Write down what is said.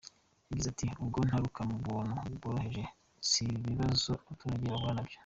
Yagize ati “ubwo nturuka mu bantu boroheje, nzi ibibazo abaturage bahura nabyo.